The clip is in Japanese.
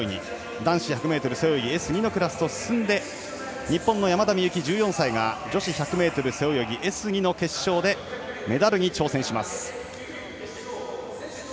男子１００ｍ背泳ぎＳ２のクラスと進んで日本の山田美幸、１４歳が女子１００ｍ背泳ぎＳ２の決勝でメダルに挑戦します。